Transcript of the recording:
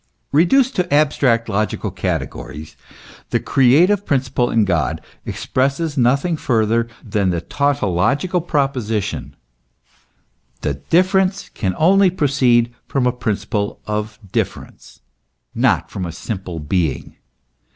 Reduced to abstract logical categories, the creative principle in God expresses nothing further than the tautological pro position : the different can only proceed from a principle of THE MYSTERY OF THE COSMOGONICAL PRINCIPLE. 83 difference, not from a simple being.